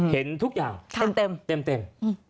เห็นทุกอย่างเต็ม